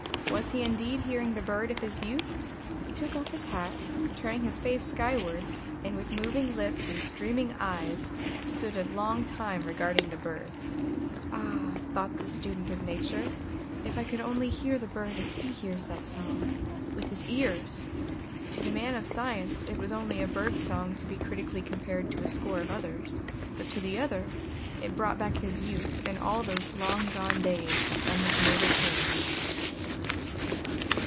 Was he indeed hearing the bird of his youth? He took off his hat, turning his face skyward, and with moving lips and streaming eyes stood a long time regarding the bird. "Ah," thought the student of nature, "if I could only hear the bird as he hears that song with his ears!" To the man of science it was only a bird song to be critically compared to a score of others; but to the other it brought back his youth and all those long gone days on his native hills!